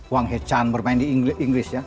wang hae chan bermain di inggris